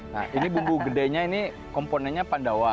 nah ini bumbu gedenya ini komponennya pandawa